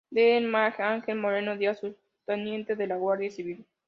Sr. D. Miguel Ángel Moreno Díaz, Subteniente de la Guardia Civil.